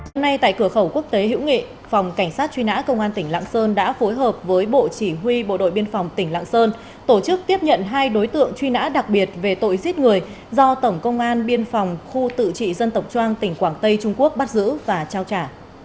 hôm nay tại cửa khẩu quốc tế hữu nghị phòng cảnh sát truy nã công an tỉnh lạng sơn đã phối hợp với bộ chỉ huy bộ đội biên phòng tỉnh lạng sơn tổ chức tiếp nhận hai đối tượng truy nã đặc biệt về tội giết người do tổng công an biên phòng khu tự trị dân tộc trang tỉnh quảng tây trung quốc bắt giữ và trao trả